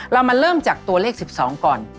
เรามาเริ่มจากตัวเลขสิบสองก่อน